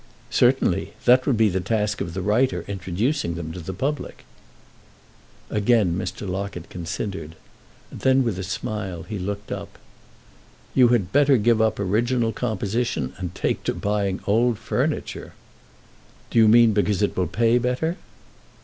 "Certainly; that would be the task of the writer introducing them to the public." Again Mr. Locket considered; then with a smile he looked up. "You had better give up original composition and take to buying old furniture." "Do you mean because it will pay better?"